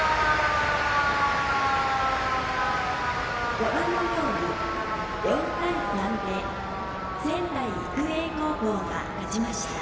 ご覧のように４対３で仙台育英高校が勝ちました。